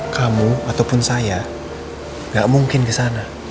kamu ataupun saya gak mungkin ke sana